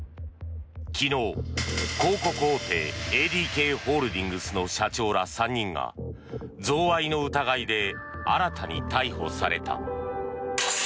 昨日、広告大手ＡＤＫホールディングスの社長ら３人が贈賄の疑いで新たに逮捕された。